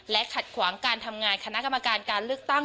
ขัดขวางการทำงานคณะกรรมการการเลือกตั้ง